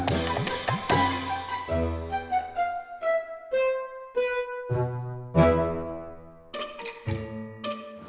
saya mau ke tempatnya